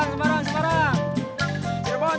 semarang semarang semarang